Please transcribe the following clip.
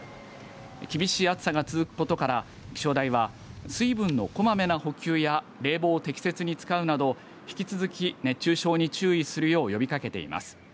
厳しい暑さが続くことから気象台は水分のこまめな補給や冷房を適切に使うなど引き続き熱中症に注意するよう呼びかけています。